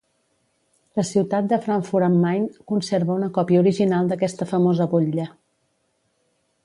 La ciutat de Frankfurt am Main conserva una còpia original d'aquesta famosa butlla.